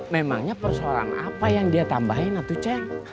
memangnya persoalan apa yang dia tambahin atau ceng